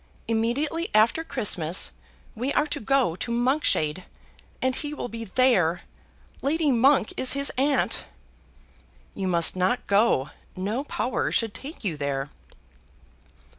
Immediately after Christmas, we are to go to Monkshade, and he will be there. Lady Monk is his aunt." "You must not go. No power should take you there."